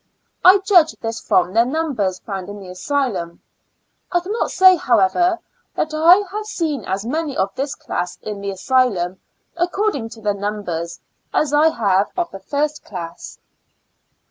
I judge this from their num bers found in the asylum. I cannot say, however, that I have seen as many of this IN A L UNA TIC A SYL UM. X Q 5 class in the asylum, according to their num bers, as I have of the first class.